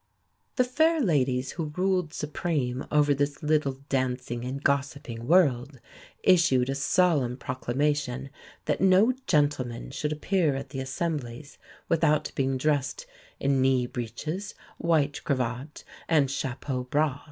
The fair ladies who ruled supreme over this little dancing and gossiping world issued a solemn proclamation that no gentleman should appear at the assemblies without being dressed in knee breeches, white cravat, and _chapeau bras.